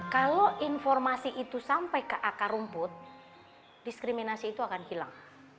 kalau informasi itu sampai ke akar rumput diskriminasi itu akan hilang